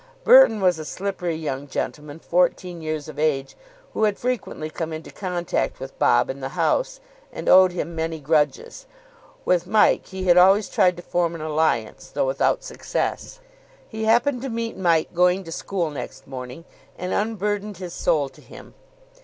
Burton was a slippery young gentleman, fourteen years of age, who had frequently come into contact with Bob in the house, and owed him many grudges. With Mike he had always tried to form an alliance, though without success. He happened to meet Mike going to school next morning, and unburdened his soul to him.